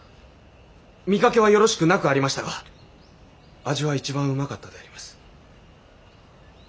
見かけはよろしくなくありましたが味は一番うまかったであります。